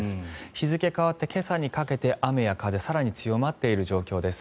日付が変わって今朝にかけて雨や風更に強まっている状況です。